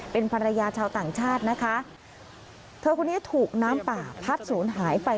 เป็นภรรยาชาวต่างชาตินะคะเธอคนนี้ถูกน้ำป่าพัดศูนย์หายไป